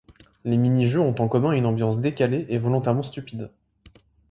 Les mini-jeux ont en commun une ambiance décalée et volontairement stupide.